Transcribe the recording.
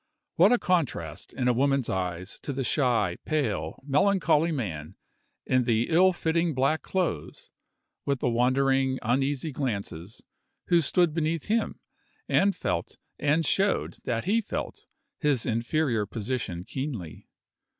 What a contrast, in a woman's eyes, to the shy, pale, melancholy man, in the ill fitting black clothes, with the wandering, uneasy glances, who stood beneath him, and felt, and showed that he felt, his inferior position keenly!